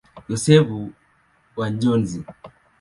Yosefu wa Njozi.